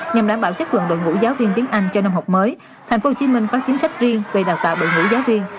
nhằm đảm bảo chất lượng đội ngũ giáo viên tiếng anh cho năm học mới tp hcm có chính sách riêng về đào tạo đội ngũ giáo viên